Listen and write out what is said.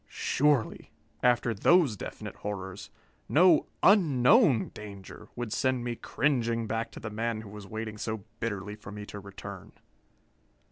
Surely, after those definite horrors, no unknown danger would send me cringing back to the man who was waiting so bitterly for me to return.